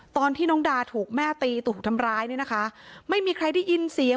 ตอนที่น้องดาถูกแม่ตีถูกทำร้ายเนี่ยนะคะไม่มีใครได้ยินเสียง